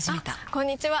あこんにちは！